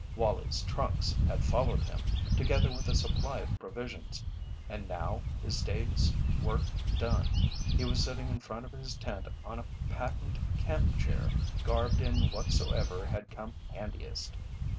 Wallie's trunks had followed him, together with a supply of provisions, and now, his day's work done, he was sitting in front of his tent on a patent camp chair garbed in whatsoever had come handiest.